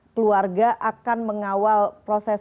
keluarga akan mengawal proses